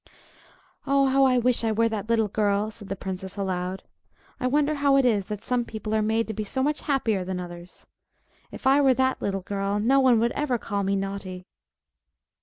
"Oh, how I wish I were that little girl!" said the princess aloud. "I wonder how it is that some people are made to be so much happier than others! If I were that little girl, no one would ever call me naughty."